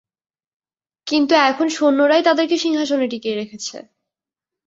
কিন্তু, এখন সৈন্যরাই তাদেরকে সিংহাসনে টিকিয়ে রেখেছে।